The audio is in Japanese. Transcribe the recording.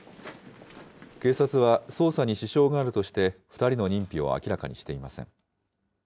警察は捜査に支障があるとして、２人の認否を明らかにしていません。